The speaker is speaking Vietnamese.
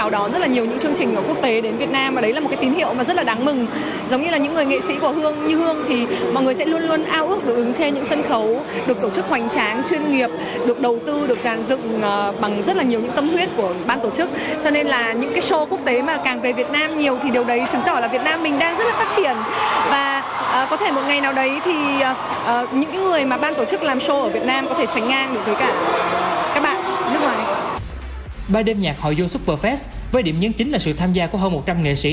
ba đêm nhạc hội vô superfest với điểm nhấn chính là sự tham gia của hơn một trăm linh nghệ sĩ